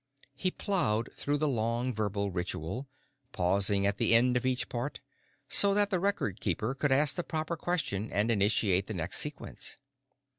_" He ploughed through the long verbal ritual, pausing at the end of each part, so that the Record Keeper could ask the proper question and initiate the next sequence.